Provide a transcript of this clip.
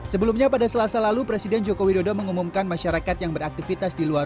sebelumnya pada selasa lalu presiden joko widodo mengumumkan masyarakat yang beraktivitas di luar